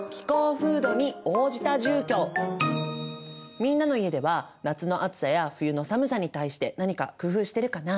みんなの家では夏の暑さや冬の寒さに対して何か工夫してるかな？